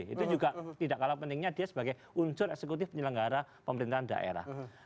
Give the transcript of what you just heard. itu juga tidak kalah pentingnya dia sebagai unsur eksekutif penyelenggara pemerintahan daerah